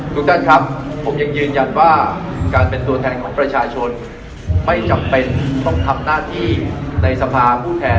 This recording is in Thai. ทุกท่านครับผมยังยืนยันว่าการเป็นตัวแทนของประชาชนไม่จำเป็นต้องทำหน้าที่ในสภาผู้แทน